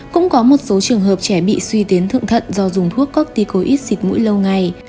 cũng có một số trường hợp trẻ bị suy tiến thượng thận do dùng thuốc corticoid xịt mũi lâu ngày